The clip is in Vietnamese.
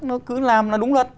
nó cứ làm là đúng luật